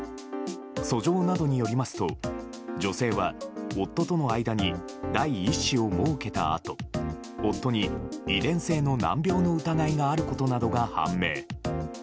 訴状などによりますと女性は、夫との間に第１子を設けたあと夫に遺伝性の難病の疑いがあることなどが判明。